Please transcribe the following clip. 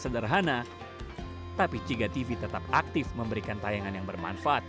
sederhana tapi ciga tv tetap aktif dan berhasil mengembangkan radio suara ciptagelar di abah dan